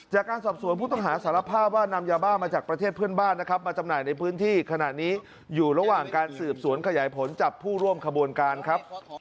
จากการสอบส่วนผู้ต้องหาสารพ่าว่า